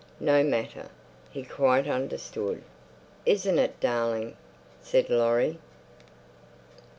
No matter. He quite understood. "Isn't it, darling?" said Laurie.